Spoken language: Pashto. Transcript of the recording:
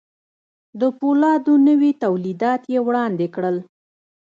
د پولادو نوي توليدات يې وړاندې کړل.